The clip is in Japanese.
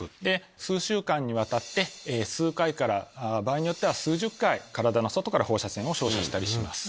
数週間にわたって数回から場合によっては数十回体の外から放射線を照射したりします。